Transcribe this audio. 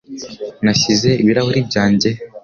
Nashyize ibirahuri byanjye he?